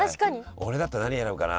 俺だったら何選ぶかな。